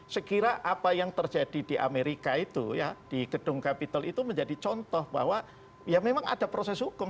sekira apa yang terjadi di amerika itu ya di gedung kapital itu menjadi contoh bahwa ya memang ada proses hukum